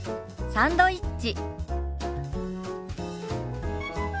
「サンドイッチ」。